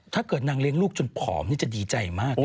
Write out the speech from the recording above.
ถ้าเกิดนางเลี้ยงลูกจนผอมนี่จะดีใจมากนะ